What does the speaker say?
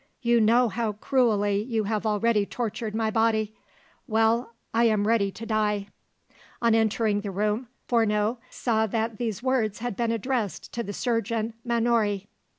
You know how cruelly you have already tortured my body. Well I am ready to die." On entering the room, Fourneau saw that these words had been addressed to the surgeon Mannouri.